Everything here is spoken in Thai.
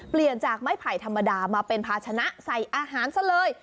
เปลี่ยนจากไม้ไผ่ธรรมดามาเป็นภาชนะใส่อาหารซะเลย